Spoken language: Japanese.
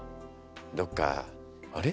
どっか「あれ？